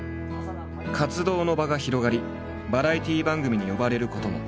活動の場が広がりバラエティー番組に呼ばれることも。